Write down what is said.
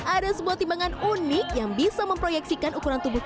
ada sebuah timbangan unik yang bisa memproyeksikan ukuran tubuh